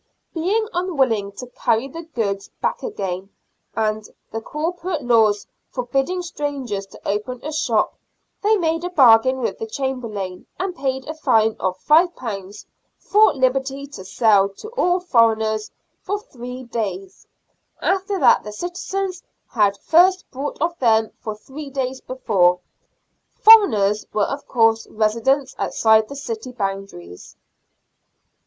Being unwiHing to * Vide ante, p. 107. 9 114 SIXTEENTH CENTURY BRISTOL. carry the goods back again, and the corporate laws for bidding strangers to open a shop, they made a bargain with the Chamberlain, and paid a fine of £5 " for Uberty to sell to all foreigners for three days, after that the citizens had first bought of them for three days before." " Foreigners " were, of course, residents outside the city boundaries.